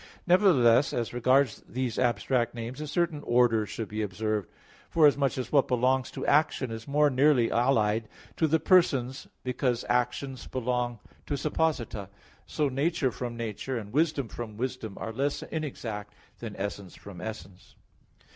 Nevertheless, as regards these abstract names a certain order should be observed, forasmuch as what belongs to action is more nearly allied to the persons because actions belong to supposita. So "nature from nature," and "wisdom from wisdom" are less inexact than "essence from essence."